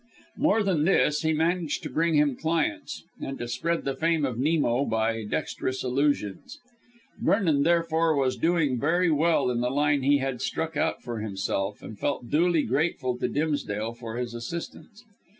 More than this, he managed to bring him clients, and to spread the fame of Nemo by dexterous allusions. Vernon therefore was doing very well in the line he had struck out for himself, and felt duly grateful to Dimsdale for his assistance.